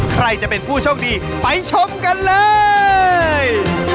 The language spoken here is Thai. ใครจะเป็นผู้โชคดีไปชมกันเลย